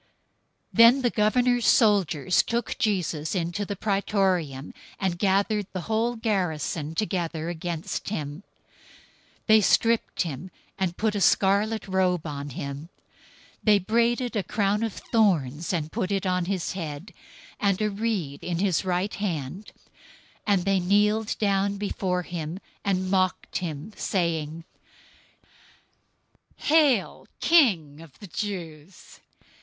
027:027 Then the governor's soldiers took Jesus into the Praetorium, and gathered the whole garrison together against him. 027:028 They stripped him, and put a scarlet robe on him. 027:029 They braided a crown of thorns and put it on his head, and a reed in his right hand; and they kneeled down before him, and mocked him, saying, "Hail, King of the Jews!"